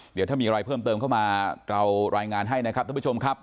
เดี๋ยวถ้ามีอะไรเพิ่มเติมเข้ามาเรารายงานให้นะครับท่านผู้ชมครับ